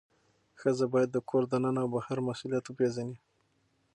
ښځه باید د کور دننه او بهر مسؤلیت وپیژني.